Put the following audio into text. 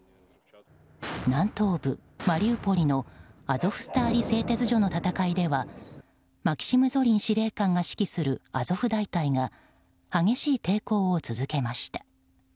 南東部マリウポリのアゾフスターリ製鉄所の戦いではマキシム・ゾリン司令官が指揮するアゾフ大隊が激しい抵抗を続けました。